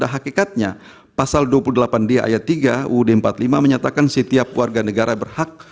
hakikatnya pasal dua puluh delapan d ayat tiga uud empat puluh lima menyatakan setiap warga negara berhak